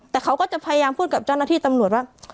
แต่เขาก็จะพยายามพูดกับเจ้าหน้าที่ตำรวจว่า